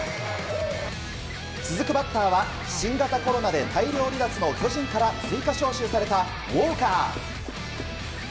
続くバッターは新型コロナで大量離脱の巨人から追加招集されたウォーカー。